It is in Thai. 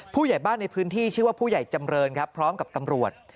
ผู้ใหญ่บ้านในพื้นที่ชื่อว่าผู้ใหญ่จำเรินครับพร้อมกับตำรวจ